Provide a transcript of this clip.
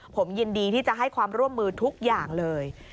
ผมยินดีที่จะให้ความร่วมมือทุกอย่างเลย